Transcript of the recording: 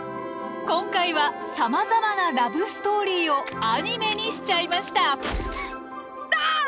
今回はさまざまなラブストーリーをアニメにしちゃいました。だ！